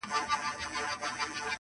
شرمنده ټول وزيران او جنرالان وه.!